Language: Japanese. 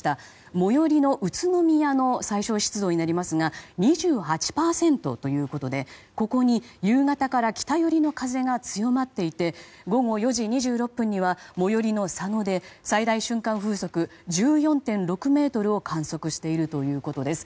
最寄りの宇都宮の最小湿度になりますが２８％ということでここに、夕方から北寄りの風が強まっていて午後４時２６分には最寄りの佐野で最大瞬間風速１４．６メートルを観測しているということです。